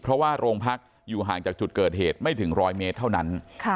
เพราะว่าโรงพักอยู่ห่างจากจุดเกิดเหตุไม่ถึง๑๐๐เมตรเท่านั้น